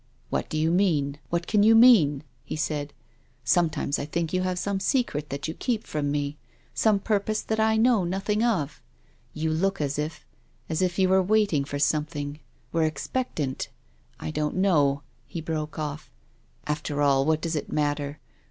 " What do you mean ? What can you mean ?" he said. " Sometimes I think you have some secret that you keep from me, some purpose that I know nothing of. You look as if — as if you were waiting for something ; were expectant ; I don't THE LIVING CHILD. 233 know —" he broke off, " After all what does it matter